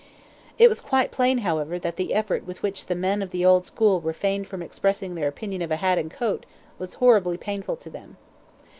It was quite plain, however, that the effort with which the men of the old school refrained from expressing their opinion of a hat and a coat was horribly painful to them.